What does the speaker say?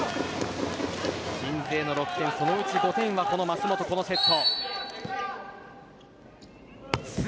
鎮西の６点、そのうち５点はこの舛本、このセット。